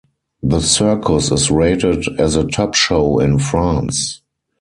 The circus is rated as a top show in France.